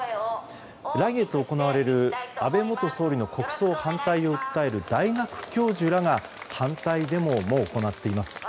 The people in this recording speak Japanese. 来月行われる安倍元総理の国葬反対を訴える大学教授らが反対デモを行っています。